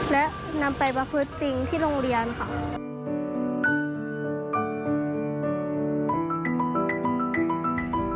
และนำไปประพฤติจริงที่โรงเรียนค่ะ